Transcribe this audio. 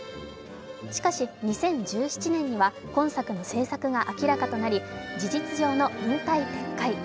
しかし、２０１７年には今作の制作が明らかとなり事実上の引退撤回。